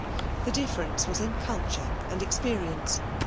The difference was in culture and experience.